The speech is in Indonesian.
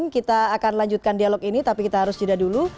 kita akan lanjutkan dialog ini tapi kita harus jeda dulu